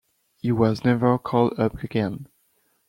He was never called up again.